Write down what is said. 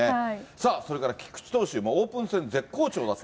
さあ、それから菊池投手、オープン戦絶好調。